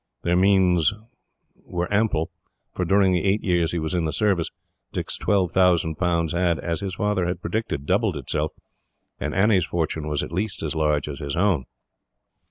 Their means were ample, for during the eight years he was in the Service, Dick's 12,000 pounds had, as his father had predicted, doubled itself; and Annie's fortune was at least as large as his own.